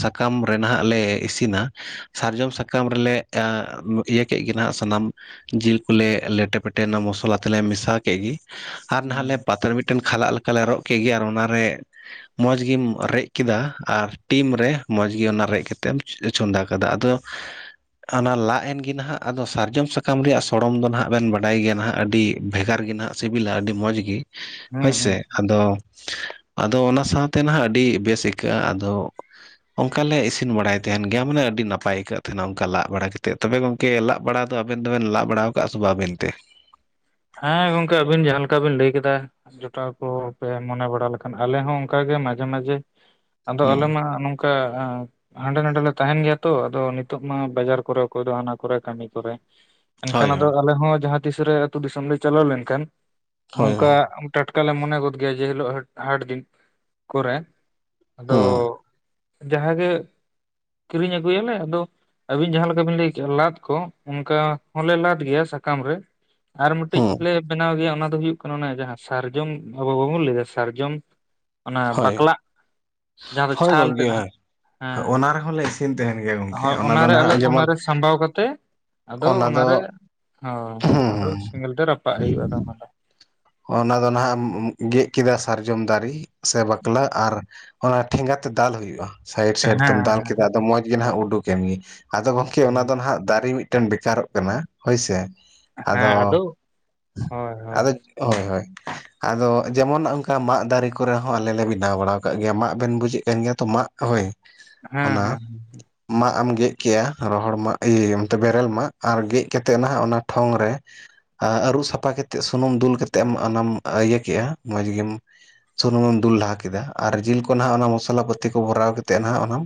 ᱥᱟᱠᱟᱢ ᱨᱮ ᱱᱟᱦᱟᱜ ᱞᱮ ᱤᱥᱤᱱᱟ ᱾ ᱥᱟᱨᱡᱚᱢ ᱥᱟᱠᱟᱢ ᱨᱮᱞᱮ ᱤᱭᱟᱹ ᱠᱮᱫ ᱜᱮ ᱱᱟᱦᱟᱜ ᱥᱟᱱᱟᱢ ᱡᱤᱞ ᱠᱚᱞᱮ ᱞᱮᱴᱮ ᱯᱮᱴᱮ ᱚᱱᱟ ᱢᱚᱥᱞᱟ ᱛᱮᱞᱮ ᱢᱮᱥᱟ ᱠᱮᱫ ᱜᱮ, ᱟᱨ ᱱᱟᱦᱟᱜ ᱦᱩᱸ ᱞᱮ ᱯᱟᱛᱲᱟ ᱢᱤᱫᱴᱮᱱ ᱠᱷᱟᱞᱟᱜ ᱞᱮᱠᱟᱞᱮ ᱨᱚᱜ ᱠᱮᱫ ᱜᱮ ᱟᱨ ᱚᱱᱟᱨᱮ ᱢᱚᱸᱡᱽ ᱜᱮᱢ ᱨᱮᱡ ᱠᱮᱫᱟ ᱟᱨ ᱴᱤᱢ ᱨᱮ ᱢᱚᱸᱡᱽ ᱜᱮ ᱚᱱᱟ ᱨᱮᱫ ᱠᱟᱛᱮᱢ ᱪᱚᱸᱫᱟ ᱠᱟᱫᱟ ᱟᱫᱚ [unintelligible] ᱚᱱᱟ ᱞᱟᱫ ᱮᱱ ᱜᱮ ᱱᱟᱦᱟᱜ ᱟᱫᱚ ᱥᱟᱨᱡᱚᱢ ᱥᱟᱠᱟᱢ ᱨᱮᱭᱟᱜ ᱥᱚᱲᱚᱢ ᱫᱚ ᱱᱟᱦᱟᱜ ᱵᱤᱱ ᱵᱟᱰᱟᱭ ᱜᱮᱭᱟ ᱱᱟᱦᱟᱜ ᱟᱹᱰᱤ ᱵᱷᱮᱜᱟᱨ ᱜᱮ ᱱᱟᱦᱟᱜ᱾ ᱥᱤᱵᱤᱞᱟ ᱟᱹᱰᱤ ᱢᱚᱡᱽ ᱜᱮ ᱦᱚᱭ ᱦᱩᱸ ᱥᱮ ᱟᱫᱚ ᱟᱫᱚ ᱚᱱᱟ ᱥᱟᱶᱛᱮ ᱱᱟᱦᱟᱸᱜ ᱟᱹᱰᱤ ᱵᱮᱥ ᱟᱹᱭᱠᱟᱹᱜ-ᱟ, ᱟᱫᱚ ᱚᱱᱠᱟ ᱞᱮ ᱤᱥᱤᱱ ᱵᱟᱲᱟᱭ ᱛᱟᱦᱮᱱ ᱜᱮᱭᱟ ᱢᱟᱱᱮ ᱟᱹᱰᱤᱰᱤ ᱱᱟᱯᱟᱭ ᱟᱹᱭᱟᱹᱜ ᱛᱟᱦᱮᱱᱟ ᱚᱱᱠᱟ ᱞᱟᱜ ᱵᱟᱲᱟ ᱠᱟᱛᱮᱫ ᱛᱚᱵᱮ ᱜᱚᱝᱠ ᱠᱮ ᱞᱟᱜ ᱵᱟᱲᱟ ᱫᱚ ᱟᱵᱮᱱ ᱫᱚᱵᱮᱱ ᱞᱟᱜ ᱵᱟᱲᱟ ᱟᱠᱟᱫᱼᱟ ᱥᱮ‌ ᱵᱟ ᱟᱵ‌ᱮᱱ ᱛᱮ? ᱦᱮᱸ ᱜᱚᱝᱠᱮ ᱟᱵᱤᱱ ᱡᱟᱦᱟᱸ ᱞᱮᱠᱟ ᱵᱤᱱ ᱞᱟᱹᱭ ᱠᱮᱫᱟ ᱡᱚᱴᱟᱣ ᱠᱚ ᱦᱟᱯᱮ ᱢᱚᱱᱮ ᱵᱟᱲᱟ ᱞᱮᱠᱷᱟᱱ᱾ ᱟᱞᱮ ᱦᱚᱸ ᱚᱱᱠᱟᱜᱮ ᱢᱟᱡᱷᱮ ᱢᱟᱡᱷᱮ ᱟᱫᱚ ᱦᱩᱸ ᱟᱞᱮ ᱢᱟ ᱱᱚᱝᱠᱟ ᱟ ᱦᱟᱸᱰᱮ ᱱᱟᱰᱮ ᱞᱮ ᱛᱟᱦᱮᱱ ᱜᱮᱭᱟ ᱛᱚ ᱟᱫᱚ ᱱᱤᱛᱚᱜ ᱢᱟ ᱵᱟᱡᱟᱨ ᱠᱚᱨᱮ ᱚᱠᱚᱭ ᱫᱚ ᱦᱟᱱᱟ ᱠᱚᱨᱮ ᱠᱟᱹᱢᱤ ᱠᱚᱨᱮ᱾ ᱮᱱᱠᱷᱟᱱ ᱦᱳᱭ ᱟᱫᱚ ᱦᱳᱭ ᱟᱞᱮ ᱦᱚᱸ ᱡᱟᱦᱟ ᱛᱤᱥᱨᱮ ᱟᱹᱛᱩ ᱫᱤᱥᱚᱢ ᱞᱮ ᱪᱟᱞᱟᱣ ᱞᱮᱱᱠᱷᱟᱱ ᱦᱳᱭ ᱦᱳᱭ ᱱᱚᱝᱠᱟ ᱴᱟᱴᱠᱟ ᱞᱮ ᱢᱚᱱᱮ ᱜᱚᱫ ᱜᱮᱭᱟ ᱡᱮ ᱦᱤᱞᱳᱜ ᱦᱟᱹᱴ ᱦᱟᱴ ᱫᱤᱱ ᱠᱚᱨᱮ ᱟᱫᱚ ᱦᱩᱸ ᱡᱟᱦᱟᱸᱜᱮ ᱠᱤᱨᱤᱧ ᱟᱹᱜᱩᱭᱟᱞᱮ ᱟᱫᱚ ᱟᱹᱵᱤᱱ ᱡᱟᱦᱟᱸ ᱞᱮᱠᱟ ᱵᱤᱱ ᱞᱟᱹᱭ ᱠᱮᱜ-ᱟ ᱞᱟᱫ ᱠᱚ ᱚᱱᱠᱟ ᱦᱚᱸᱞᱮ ᱞᱟᱫᱽ ᱜᱮᱭᱟ ᱥᱟᱠᱟᱢ ᱨᱮ᱾ ᱟᱨ ᱢᱤᱫᱴᱤᱡ ᱦᱩᱸ ᱞᱮ ᱵᱮᱱᱟᱣ ᱜᱮᱭᱟ ᱚᱱᱟ ᱫᱚ ᱦᱩᱭᱳᱜ ᱠᱟᱱᱟ ᱚᱱᱮ ᱡᱟᱦᱟᱸ ᱥᱟᱨᱡᱚᱢ ᱟᱵᱚ ᱵᱟᱵᱚᱱ ᱞᱟᱹᱭᱟᱫᱟ ᱥᱟᱨᱡᱚᱢ᱾ ᱚᱱᱟ ᱦᱳᱭ ᱵᱟᱠᱞᱟᱜ ᱡᱟᱦᱟᱸ ᱫᱚ ᱦᱳᱭ ᱪᱷᱟᱞ ᱛᱮ ᱜᱚᱝᱠᱮ ᱱᱟᱦᱟᱜ᱾ ᱦᱳᱭ ᱦᱮᱸ ᱚᱱᱟ ᱨᱮᱦᱚᱸ ᱞᱮ ᱤᱥᱤᱱ ᱛᱟᱦᱮᱱ ᱜᱮᱭᱟ ᱜᱚᱝᱠᱮ ᱦᱳᱭ ᱚᱱᱟ ᱫᱚ ᱨᱮ ᱟᱞᱮ ᱱᱟᱦᱟᱜ ᱡᱮᱢᱚᱱ ᱚᱱᱟᱨᱮ ᱥᱟᱢᱵᱟᱣ ᱠᱟᱛᱮ ᱟᱫᱚ ᱚᱱᱟ ᱫᱚ ᱚᱱᱟᱨᱮ ᱦᱚ-ᱦᱚᱸ᱾ ᱟᱫᱚ ᱦᱩᱸ ᱥᱮᱸᱜᱮᱞ ᱛᱮ ᱨᱟᱯᱟᱜ ᱦᱩᱭᱩᱜᱼᱟ ᱚᱱᱟ ᱫᱚ᱾ ᱚᱱᱟ ᱫᱚ ᱱᱟᱦᱟᱜ ᱮᱢ ᱜᱮᱫ ᱠᱮᱫᱟ ᱥᱟᱨᱡᱚᱢ ᱫᱟᱨᱮ ᱥᱮ ᱵᱟᱠᱞᱟᱜ ᱟᱨ ᱚᱱᱟ ᱴᱷᱮᱸᱜᱟ ᱛᱮ ᱫᱟᱞ ᱦᱩᱭᱩᱜᱼᱟ᱾ ᱥᱟᱭᱤᱰ ᱦᱮᱸ ᱥᱟᱭᱤᱰ ᱛᱮᱢ ᱫᱟᱞ ᱦᱮᱸ ᱠᱮᱫᱟ ᱟᱫᱚ ᱢᱚᱸᱡᱽ ᱜᱮ ᱱᱥᱦᱟᱜ ᱩᱰᱩᱠ-ᱮᱱ ᱜᱮ᱾ ᱟᱫᱚ ᱜᱚᱝᱠᱮ ᱚᱱᱟ ᱫᱚ ᱱᱟᱦᱟᱜ ᱫᱟᱨᱮ ᱢᱤᱫ ᱴᱮᱱ ᱵᱮᱠᱟᱨᱚᱜ ᱠᱟᱱᱟ ᱦᱳᱭᱥᱮ᱾ ᱦᱮᱸ ᱟᱫᱚ ᱦᱳᱭ ᱦᱳᱭ ᱟᱫᱚ ᱦᱳᱭ ᱦᱳᱭ᱾ ᱟᱫᱚ ᱡᱮᱢᱚᱱ ᱚᱱᱠᱟ ᱢᱟᱜ ᱫᱟᱨᱮ ᱠᱚᱨᱮ ᱦᱚᱸ ᱟᱞᱮ ᱞᱮ ᱵᱮᱱᱟᱣ ᱵᱟᱲᱟᱣ ᱟᱠᱟᱜ ᱜᱮᱭᱟ᱾ ᱢᱟᱜ ᱵᱮᱱ ᱵᱩᱡᱮᱫ ᱠᱟᱱ ᱜᱮᱭᱟ ᱛᱚ ᱢᱟᱜ᱾ ᱦᱳᱭ᱾ ᱦᱮᱸ ᱚᱱᱟ ᱦᱮᱸ ᱢᱟᱜ ᱮᱢ ᱜᱮᱫ ᱠᱮᱜᱼᱟ, ᱨᱚᱦᱚᱲ ᱢᱟᱜ ᱤᱭᱟᱹ ᱚᱱᱛᱮ ᱵᱮᱨᱮᱞ ᱢᱟᱜ ᱟᱨ ᱜᱮᱫ ᱠᱟᱛᱮᱫ ᱱᱟᱦᱟᱜ ᱚᱱᱟ ᱴᱷᱚᱝ ᱨᱮ ᱟ ᱟᱹᱨᱩᱵ ᱥᱟᱯᱷᱟ ᱠᱟᱛᱮᱫ ᱥᱩᱱᱩᱢ ᱫᱩᱞ ᱠᱟᱛᱮᱫ ᱮᱢ ᱚᱱᱟᱢ ᱤᱭᱟᱹ ᱠᱮᱜᱼᱟ, ᱢᱚᱡᱽ ᱜᱮᱢ ᱥᱩᱱᱩᱢᱮᱢ ᱫᱩᱞ ᱞᱟᱦᱟ ᱠᱮᱫᱟ ᱟᱨ ᱡᱤᱞ ᱠᱚ ᱱᱟᱦᱟᱜ ᱚᱱᱟ ᱢᱚᱥᱞᱟ ᱯᱟᱹᱛᱤ ᱠᱚ ᱵᱷᱚᱨᱟᱣ ᱠᱟᱛᱮᱫ ᱱᱟᱦᱟᱜ ᱚᱱᱟᱢ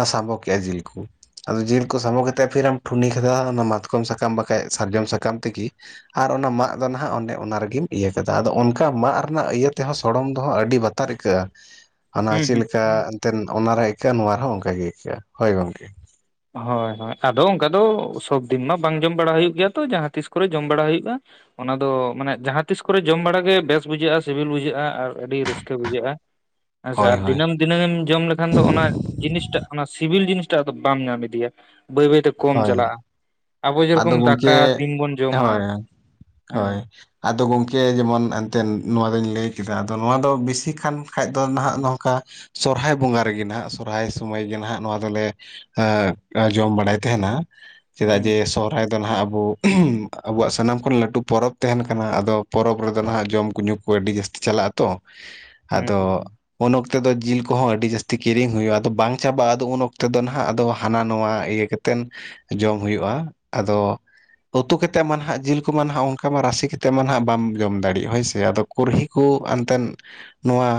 ᱟ ᱥᱟᱵᱚ ᱠᱮᱜ-ᱟ ᱡᱤᱞ ᱠᱩ᱾ ᱟᱫᱚ ᱡᱤᱞ ᱠᱚ ᱥᱟᱵᱢᱚ ᱠᱟᱛᱮᱫ ᱯᱷᱤᱨᱮᱢ ᱴᱷᱩᱱᱤ ᱠᱟᱫᱟ ᱚᱱᱟ ᱢᱟᱛᱠᱚᱢ ᱥᱟᱠᱟᱢ ᱵᱟᱠᱷᱟᱡ ᱥᱟᱨᱡᱚᱢ ᱥᱟᱠᱟᱢ ᱛᱮᱜᱮ᱾ ᱟᱨ ᱚᱱᱟ ᱢᱟᱜ ᱫᱚ ᱱᱟᱦᱟᱜ ᱚᱱᱮ ᱚᱱᱟ ᱨᱮᱜᱮᱢ ᱤᱭᱟᱹ ᱠᱟᱫᱟ ᱟᱫᱚ ᱚᱱᱠᱟ ᱢᱟᱜ ᱨᱮᱱᱟᱜ ᱤᱭᱟᱹ ᱛᱮᱦᱚᱸ ᱥᱚᱲᱚᱢ ᱫᱚᱦᱚᱸ ᱟᱹᱰᱤ ᱵᱟᱛᱟᱨ ᱟᱹᱭᱤᱠᱟᱹᱜᱼᱟ᱾ ᱟᱨ ᱚᱱᱟ ᱦᱩᱸ ᱦᱩᱸ ᱪᱮᱫᱞᱮᱠᱟ ᱮᱱᱛᱮᱢ ᱚᱱᱟᱨᱮ ᱟᱹᱭᱠᱟᱹᱜᱼᱟ, ᱱᱚᱣᱟ ᱨᱮᱦᱚᱸ ᱚᱱᱠᱟ ᱜᱮ ᱟᱹᱭᱠᱟᱹᱜᱼᱟ ᱦᱳᱭ ᱜᱚᱝᱠᱮ᱾ ᱦᱳᱭ ᱦᱳᱭ ᱟᱫᱚ ᱚᱝᱠᱟ ᱫᱚ ᱥᱳᱵᱫᱤᱱ ᱢᱟ ᱵᱟᱝ ᱡᱚᱢ ᱵᱟᱲᱟ ᱦᱩᱭᱩᱜ ᱜᱮᱭᱟ ᱛᱚ᱾ ᱡᱟᱦᱟᱸ ᱛᱤᱥ ᱠᱚᱨᱮ ᱡᱚᱢ ᱵᱟᱲᱟ ᱦᱩᱭᱩᱜᱼᱟ᱾ ᱚᱱᱟ ᱫᱚ ᱢᱟᱱᱮ ᱡᱟᱦᱟᱸ ᱛᱤᱥ ᱠᱚᱨᱮ ᱡᱚᱢ ᱵᱟᱲᱟ ᱜᱮ ᱵᱮᱥ ᱵᱩᱡᱷᱟᱹᱜᱼᱟ, ᱥᱤᱵᱤᱞ ᱵᱩᱡᱷᱟᱹᱜᱼᱟ ᱟᱨ ᱟᱹᱰᱤ ᱨᱟᱹᱥᱠᱟᱹ ᱵᱩᱡᱷᱟᱹᱜᱼᱟ ᱦᱮᱸᱥᱮ ᱦᱳᱭ ᱟᱨ ᱦᱳᱭ ᱫᱤᱱᱟᱹᱢ ᱫᱤᱱᱟᱹᱢᱮᱢ ᱡᱚᱢ ᱞᱮᱠᱷᱟᱱ ᱫᱚ ᱚᱱᱟ ᱡᱤᱱᱤᱥᱴᱟᱜ ᱚᱱᱟ ᱥᱤᱵᱤᱞ ᱡᱤᱱᱤᱥᱴᱟᱜ ᱟᱫᱚ ᱵᱟᱢ ᱧᱟᱢ ᱤᱫᱤᱭᱟ ᱵᱟᱹᱭ ᱵᱟᱹᱭ ᱛᱮ ᱠᱚᱢ ᱦᱳᱭ ᱪᱟᱞᱟᱜᱼᱟ᱾ ᱟᱵᱚ ᱟᱫᱚ ᱡᱮᱨᱚᱠᱚᱢ ᱜᱚᱢᱠᱮ ᱫᱟᱠᱟ ᱫᱤᱱ ᱵᱚᱱ ᱡᱚᱢᱟ ᱦᱳᱭ ᱦᱮᱸ᱾ ᱦᱳᱭ ᱟᱫᱚ ᱜᱚᱢᱠᱮ ᱡᱮᱢᱚᱱ ᱮᱱᱛᱮᱱ ᱱᱚᱣᱟ ᱫᱚᱧ ᱞᱟᱹᱭ ᱠᱮᱫᱟ ᱟᱫᱚ ᱱᱚᱣᱟ ᱫᱚ ᱵᱮᱥᱤ ᱠᱟᱱ ᱠᱷᱟᱡ ᱫᱚ ᱱᱟᱦᱟᱜ ᱱᱚᱝᱠᱟ ᱥᱚᱨᱦᱟᱭ ᱵᱚᱸᱜᱟ ᱨᱮᱜᱮ ᱱᱟᱦᱟᱸᱜ ᱥᱚᱨᱦᱟᱭ ᱥᱚᱢᱚᱭ ᱜᱮ ᱱᱟᱦᱟᱜ ᱱᱚᱣᱟ ᱫᱚᱞᱮ ᱟᱜ ᱟ ᱡᱚᱢ ᱵᱟᱲᱟᱭ ᱛᱟᱦᱮᱱᱟ᱾ ᱪᱮᱫᱟᱜ ᱡᱮ ᱦᱩᱸ ᱥᱚᱨᱦᱟᱭ ᱫᱚ ᱱᱟᱦᱟᱜ ᱟᱵᱚ ᱟᱵᱚᱣᱟᱜ ᱥᱟᱱᱟᱢ ᱠᱷᱚᱱ ᱞᱟᱹᱴᱩ ᱯᱚᱨᱚᱵᱽ ᱛᱟᱦᱮᱱ ᱠᱟᱱᱟ ᱟᱫᱚ ᱯᱚᱨᱚᱵᱽ ᱨᱮᱫᱚ ᱱᱟᱦᱟᱜ ᱡᱚᱢ ᱠᱚ ᱧᱩ ᱠᱚ ᱟᱹᱰᱤ ᱡᱟᱹᱥᱛᱤ ᱪᱟᱞᱟᱜ-ᱟ ᱛᱚ ᱦᱩᱸ ᱦᱩᱸ ᱟᱫᱚ ᱦᱩᱸ ᱩᱱ ᱚᱠᱛᱮ ᱫᱚ ᱡᱤᱞ ᱠᱚᱦᱚᱸ ᱟᱹᱰᱤ ᱡᱟᱹᱥᱛᱤ ᱠᱤᱨᱤᱧ ᱦᱩᱭᱩᱜᱼᱟ, ᱟᱫᱚ ᱵᱟᱝ ᱪᱟᱵᱟᱜᱼᱟ ᱟᱫᱚ ᱩᱱ ᱚᱠᱛᱮ ᱫᱚ ᱱᱟᱦᱟᱜ ᱟᱫᱚ ᱦᱟᱱᱟ ᱱᱚᱣᱟ ᱤᱭᱟᱹ ᱠᱟᱛᱮᱱ ᱡᱚᱢ ᱦᱩᱭᱩᱜᱼᱟ ᱟᱫᱚ ᱩᱛᱩ ᱠᱟᱛᱮᱫ ᱢᱟ ᱱᱟᱦᱟᱜ ᱡᱤᱞ ᱠᱚᱢᱟ ᱱᱟᱦᱟᱜ ᱚᱱᱠᱟ ᱢᱟ ᱨᱟᱥᱮ ᱠᱟᱛᱮᱫ ᱢᱟ ᱱᱟᱦᱟᱜ ᱵᱟᱢ ᱡᱚᱢ ᱫᱟᱲᱮᱜ ᱦᱳᱭ ᱥᱮ ᱟᱫᱚ ᱠᱩᱨᱦᱤ ᱠᱩ ᱮᱱᱛᱮᱱ ᱱᱚᱣᱟ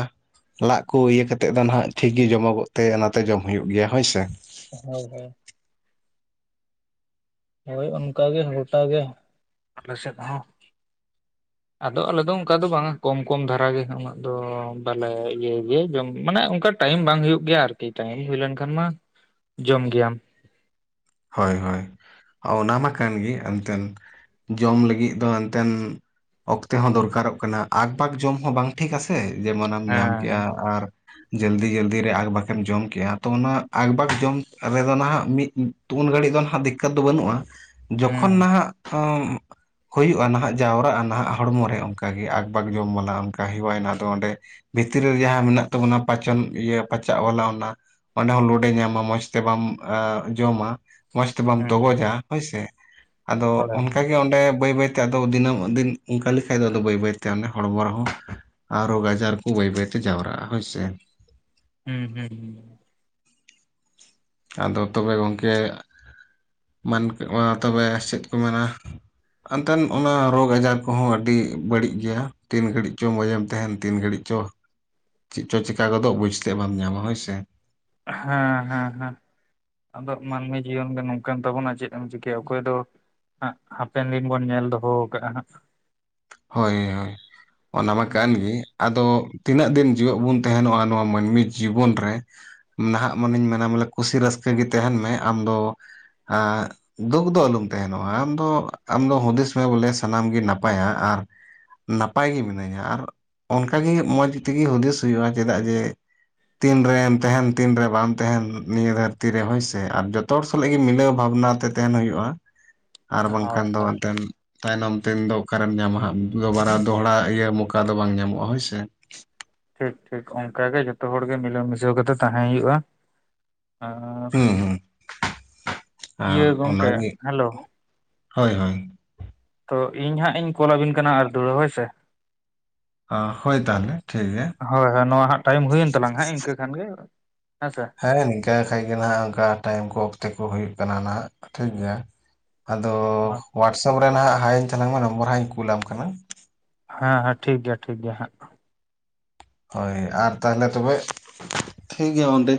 ᱞᱟᱜ ᱠᱚ ᱤᱭᱟᱹ ᱠᱟᱛᱮᱫ ᱫᱚ ᱱᱟᱦᱟᱜ ᱴᱷᱤᱠ ᱜᱮ ᱡᱚᱢᱚᱜᱚᱜ ᱛᱮ ᱚᱱᱟᱛᱮ ᱡᱚᱢ ᱦᱩᱭᱩᱜ ᱜᱮᱭᱟ ᱦᱳᱭ ᱥᱮ᱾ ᱦᱳᱭ ᱦᱳᱭ᱾ ᱦᱳᱭ ᱚᱱᱠᱟᱜ ᱜᱮ ᱜᱷᱚᱴᱟ ᱜᱮ᱾ ᱟᱞᱮ ᱥᱮᱫ ᱦᱚᱸ᱾ [inaudible] ᱟᱫᱚ ᱟᱞᱮ ᱫᱚ ᱚᱱᱠᱟ ᱫᱚ ᱵᱟᱝᱟ ᱠᱚᱢ ᱠᱚᱢ ᱫᱷᱟᱨᱟ ᱜᱮ ᱩᱱᱟᱹᱜ ᱫᱚ ᱵᱟᱞᱮ ᱤᱭᱟᱹ ᱜᱮᱭᱟ ᱡᱚᱢ ᱢᱟᱱᱮ ᱚᱱᱠᱟ ᱴᱟᱭᱤᱢ ᱵᱟᱝ ᱦᱳᱭᱳᱜ ᱜᱮᱭᱟ ᱟᱨᱠᱤ, ᱴᱟᱭᱤᱢ ᱦᱳᱭ ᱞᱮᱱᱠᱷᱟᱱ ᱢᱟ ᱡᱚᱢ ᱜᱮᱭᱟᱢ ᱾ ᱦᱳᱭ, ᱦᱳᱭ ᱚᱱᱟ ᱢᱟ ᱠᱟᱱ ᱜᱮ, ᱮᱱᱛᱮᱱ ᱡᱚᱢ ᱞᱟᱹᱜᱤᱫ ᱫᱚ ᱮᱱᱛᱮᱫ ᱚᱠᱛᱮ ᱦᱚᱸ ᱫᱚᱨᱠᱟᱨᱚ-ᱜ ᱠᱟᱱᱟ ᱾ ᱟᱠᱯᱟᱠ ᱡᱚᱢ ᱦᱚᱸ ᱵᱟᱝ ᱴᱷᱤᱠ ᱟᱥᱮ, ᱡᱮᱢᱚᱱ ᱮᱢ ᱧᱟᱢ ᱦᱮᱸ ᱠᱮᱜᱼᱟ᱾ ᱟᱨ ᱡᱚᱞᱫᱤ ᱻ ᱡᱚᱞᱫᱤ ᱨᱮ ᱟᱠ-ᱵᱟᱠ ᱮᱢ ᱡᱚᱢ ᱠᱮᱜᱼᱟ ᱾ ᱛᱚ ᱚᱱᱟ ᱟᱠᱵᱟᱠ ᱡᱚᱢ ᱨᱮᱫᱚ ᱱᱟᱦᱟᱜ ᱢᱤᱫ ᱩᱱ ᱜᱽᱷᱟᱹᱲᱤᱡ ᱫᱚ ᱱᱟᱦᱟᱜ ᱫᱤᱠᱠᱚᱛ ᱫᱚ ᱵᱟᱹᱱᱩᱜᱼᱟ᱾ ᱡᱚᱠᱷᱚᱱ ᱦᱩᱸ ᱱᱟᱦᱟ-ᱜ ᱟᱢ ᱦᱩᱭᱩᱜᱼᱟ ᱱᱟᱦᱟᱜ, ᱡᱟᱣᱨᱟᱜᱼᱟ ᱱᱟᱦᱟᱜ, ᱦᱚᱲᱢᱚ ᱨᱮ ᱚᱱᱠᱟᱜᱮ ᱟᱠ-ᱵᱟᱠ ᱡᱚᱢ ᱵᱟᱞᱟ᱾ ᱚᱱᱠᱟ ᱦᱮᱣᱟᱭᱮᱱᱟ᱾ ᱟᱫᱚ ᱚᱸᱰᱮ ᱵᱷᱽᱤᱛᱨᱤ ᱨᱮ ᱡᱟᱦᱟᱸ ᱢᱮᱱᱟᱜ ᱛᱟᱵᱚᱱᱟ ᱾ᱯᱟᱪᱚᱱ ᱤᱭᱟᱹ ᱯᱟᱪᱟᱜ ᱵᱟᱞᱟ ᱚᱱᱟ ᱚᱸᱰᱮ ᱦᱚᱸ ᱞᱳᱰᱮ ᱮᱸ ᱧᱟᱢᱟ᱾ ᱢᱚᱸᱡᱽᱷ ᱛᱮ ᱵᱟᱢ ᱡᱚᱢᱟ ᱢᱚᱸᱡᱽᱷ ᱛᱮ ᱵᱟᱢ ᱦᱩᱸ ᱛᱚᱜᱚᱡᱟ᱾ ᱦᱳᱭᱥᱮ ᱟᱫᱚ ᱦᱳᱭ ᱚᱱᱠᱟᱜᱮ ᱚᱸᱰᱮ ᱵᱟᱹᱭ ᱵᱟᱹᱭᱛᱮ ᱟᱫᱚ ᱫᱤᱱᱟᱹᱢ ᱫᱤᱱ, ᱚᱱᱠᱟ ᱞᱮᱠᱷᱟᱡ ᱫᱚ ᱵᱟᱹᱭ ᱵᱟᱹᱭᱛᱮ ᱚᱱᱮ ᱦᱚᱲᱢᱚ ᱨᱮ-ᱦᱚᱸ ᱟᱨ ᱨᱳᱜᱽ ᱟᱡᱟᱨ ᱠᱚ, ᱵᱟᱹᱭ ᱵᱟᱹᱭᱛᱮ ᱡᱟᱣᱨᱟᱜᱼᱟ ᱾ᱦᱳᱭᱥᱮ ᱦᱩᱸ ᱦᱩᱸ ᱟᱫᱚ ᱛᱚᱵᱮ ᱜᱚᱝᱠᱮ, ᱢᱮᱱ ᱢᱟ ᱛᱚᱵᱮ ᱪᱮᱫ ᱠᱚ ᱢᱮᱱᱟ? ᱮᱱᱛᱮᱱ ᱚᱱᱟ ᱨᱳᱜᱽ ᱟᱡᱟᱨ ᱠᱚᱼᱦᱚᱸ ᱟᱹᱰᱤ ᱵᱟᱹᱲᱤᱡ ᱜᱮᱭᱟ᱾ ᱛᱤᱱ ᱜᱽᱷᱟᱹᱲᱤᱡ ᱪᱚ ᱢᱚᱸᱡᱮᱢ ᱛᱟᱦᱮᱸᱱ, ᱛᱤᱱ ᱜᱽᱷᱟᱹᱲᱤᱡ ᱪᱚ ᱪᱮᱫ ᱪᱚ ᱪᱮᱠᱟ ᱜᱚᱫᱚ-ᱜ ᱵᱩᱡᱽ ᱛᱮᱫ ᱵᱟᱢ ᱧᱟᱢᱟ ᱦᱳᱭ ᱥᱮ ᱦᱟᱸ ᱦᱟᱸ ᱦᱟᱸ᱾ ᱟᱫᱚ ᱢᱟᱹᱱᱢᱤ ᱡᱤᱭᱚᱱ ᱜᱮ ᱱᱚᱝᱠᱟᱱ ᱛᱟᱵᱚᱱᱟ ᱾ ᱪᱮᱫ ᱮᱢ ᱪᱤᱠᱟᱹᱭᱟ ᱚᱠᱚᱭ ᱫᱚ ᱦᱟᱯᱮᱱ ᱫᱤᱱ ᱵᱚᱱ ᱧᱮᱞ ᱫᱚᱦᱚ ᱠᱟᱜᱼᱟ᱾ ᱦᱳᱭ, ᱦᱳᱭ ᱚᱱᱟ ᱢᱟ ᱠᱟᱱ ᱜᱤ᱾ ᱟᱫᱚ ᱛᱤᱱᱟᱹᱜ ᱫᱤᱱ ᱡᱤᱣᱮᱫ ᱵᱚᱱ ᱛᱟᱦᱮᱸᱱᱚᱜᱼᱟ ᱾ ᱱᱚᱣᱟ ᱢᱟᱹᱱᱢᱤ ᱡᱤᱵᱚᱱ ᱨᱮ ᱱᱟᱦᱟᱜ ᱢᱟᱱᱮᱧ ᱢᱮᱱᱟ ᱢᱚᱞᱮ ᱠᱩᱥᱤ ᱨᱟᱹᱥᱠᱟᱹ ᱜᱤ ᱛᱟᱦᱮᱸᱱ ᱢᱮ ᱟᱢᱫᱚ ᱟᱜ ᱫᱩᱠ ᱫᱚ ᱟᱞᱚᱢ ᱛᱟᱦᱮᱸᱱᱚᱜᱼᱟ᱾ ᱟᱢ ᱫᱚ ᱟᱢ ᱫᱚ ᱦᱩᱫᱤᱥ ᱢᱮ ᱵᱚᱞᱮ ᱥᱟᱱᱟᱢ ᱜᱮ ᱱᱟᱯᱟᱭᱟ-ᱜ ᱟᱨ ᱱᱟᱯᱟᱭ ᱜᱮ ᱢᱤᱱᱟᱹᱧᱟ ᱾ ᱟᱨ ᱚᱱᱠᱟᱜᱮ ᱢᱚᱡᱽ ᱛᱮᱜᱤ ᱦᱩᱫᱽᱤᱥ ᱦᱩᱭᱩᱜᱼᱟ᱾ ᱪᱮᱫᱟᱜ ᱡᱮ ᱛᱤᱱ ᱨᱮᱢ ᱛᱟᱦᱮᱸᱱ, ᱛᱤᱱ ᱨᱮ ᱵᱟᱢ ᱛᱟᱦᱮᱸᱱ, ᱱᱤᱭᱟᱹ ᱫᱷᱽᱟᱹᱨᱛᱤ ᱨᱮ ᱦᱳᱭᱥᱮ ᱟᱨ ᱡᱚᱛᱚ ᱡᱚᱛᱚ ᱦᱚᱲ ᱥᱟᱞᱟᱜ ᱜᱮ ᱢᱤᱞᱟᱹᱣ ᱵᱷᱟᱵᱽᱱᱟ ᱛᱮ ᱛᱟᱦᱮᱸᱱ ᱦᱩᱭᱩᱜᱼᱟ᱾ ᱟᱨ ᱦᱳᱭ ᱵᱟᱝᱠᱷᱟᱱ ᱫᱚ ᱦᱳᱭ ᱢᱮᱫᱴᱮᱱ ᱛᱟᱭᱱᱚᱢ ᱛᱮᱱ ᱫᱚ ᱚᱠᱟᱨᱮᱢ ᱧᱟᱢᱟ ᱦᱟᱸᱜ, ᱫᱚ ᱵᱟᱨᱟ ᱫᱚᱦᱲᱟ ᱤᱭᱟᱹ ᱢᱚᱠᱟ ᱫᱚ ᱵᱟᱝ ᱧᱟᱢᱚᱜᱼᱟ ᱾ᱦᱳᱭ ᱥᱮ ᱴᱷᱤᱠ, ᱴᱷᱤᱠ ᱚᱝᱠᱟ ᱜᱮ ᱡᱚᱛᱚ ᱦᱚᱲ ᱜᱮ, ᱢᱤᱞᱟᱹ ᱢᱤᱥᱟᱹᱣ ᱠᱟᱛᱮ ᱛᱟᱦᱮᱸ ᱦᱩᱭᱩᱜᱼᱟ ᱾ᱟᱨ ᱦᱩᱸ ᱦᱩᱸ ᱟᱨ ᱤᱭᱟᱹ ᱜᱚᱝᱠᱮ ᱚᱱᱟᱜᱮ ᱦᱮᱞᱳ ᱦᱳᱭ, ᱦᱳᱭ᱾ ᱛᱚ ᱤᱧ ᱦᱟᱸᱜ ᱤᱧ, ᱠᱚᱞᱟ ᱟᱵᱤᱱ ᱠᱟᱱᱟ᱾ ᱟᱨ ᱫᱷᱽᱩᱲᱟᱹ ᱦᱳᱭᱥᱮ ᱦᱳᱭ ᱛᱟᱦᱚᱞᱮ ᱴᱷᱤᱠ ᱜᱮᱭᱟ ᱦᱳᱭ, ᱦᱳᱭ, ᱱᱚᱣᱟ ᱦᱟᱸᱜ ᱴᱟᱭᱤᱢ ᱦᱩᱭᱮᱱ ᱛᱟᱞᱟᱝ ᱦᱟᱸᱜ ᱤᱱᱠᱟᱹ ᱠᱷᱟᱱ ᱜᱮ ᱦᱮᱸᱥᱮ᱾ ᱦᱮᱸ ᱱᱤᱱᱠᱟ ᱠᱷᱟᱡ ᱜᱮ ᱱᱟᱦᱟᱼᱜ ᱚᱱᱠᱟ ᱴᱟᱭᱤᱢ ᱠᱚ ᱚᱠᱛᱮ ᱠᱚ ᱦᱩᱭᱩᱜ ᱠᱟᱱᱟ᱾ ᱱᱟᱦᱟᱼᱜ ᱴᱷᱤᱠ ᱜᱮᱭᱟ᱾ ᱟᱫᱚ ᱦᱳᱣᱟᱴᱥᱮᱯ ᱨᱮ ᱱᱟᱦᱟᱼᱜ ᱦᱟᱭ ᱤᱧ ᱛᱟᱞᱟᱝ ᱢᱮ, ᱱᱚᱢᱵᱚᱨ ᱦᱟᱸᱜ ᱤᱧ ᱠᱩᱞᱟᱢ ᱠᱟᱱᱟ᱾ ᱦᱮᱸ, ᱦᱮᱸ ᱴᱷᱤᱠ ᱜᱮᱭᱟ᱾ ᱴᱷᱤᱠ ᱜᱮᱭᱟ᱾ ᱦᱟᱸᱜ ᱦᱳᱭ ᱟᱨ ᱛᱟᱦᱚᱞᱮ ᱛᱚᱵᱮ ᱴᱷᱤᱠ ᱜᱮᱭᱟ᱾ ᱚᱸᱰᱮ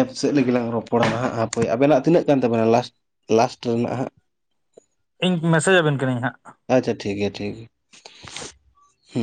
ᱮᱯ ᱥᱮᱫ ᱞᱟᱹᱜᱤᱫ ᱞᱝᱟᱝ ᱨᱚᱯᱚᱲᱟ ᱦᱟᱸᱜ, ᱦᱟᱯᱳᱭ ᱟᱵᱮᱱᱟᱼᱜ ᱛᱤᱱᱟᱹᱜ ᱠᱟᱱ ᱛᱟᱵᱮᱱᱟ᱾ ᱞᱟᱥᱴ ᱞᱟᱥᱴ ᱨᱮᱱᱟᱜ ᱦᱟᱸᱜ ᱤᱧ ᱢᱮᱥᱮᱡ ᱟᱵᱮᱱ ᱠᱟᱹᱱᱟᱹᱧ ᱦᱟᱸᱜ ᱟᱪᱪᱷᱟ ᱴᱷᱤᱠ ᱜᱮᱭᱟ, ᱴᱷᱤᱠ ᱜᱮᱭᱟ᱾